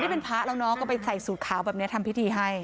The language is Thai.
แต่ไม่ได้พระแล้วทัทก็ใส่สูตรขาวแบบนี้ทำพิธีให้